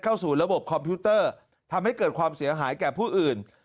เข้าสู่ระบบคอมพิวเตอร์ทำให้เกิดความเสียหายแก่ผู้อื่น